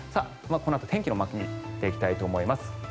このあと天気のマークを見ていきたいと思います。